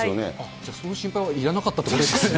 じゃあその心配はいらなかったということですね。